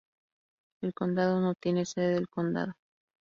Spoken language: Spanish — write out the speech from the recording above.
El condado no tiene sede del condado.